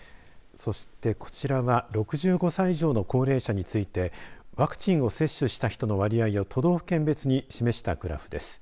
そして、こちらは６５歳以上の高齢者についてワクチンを接種した人の割合を都道府県別に示したグラフです。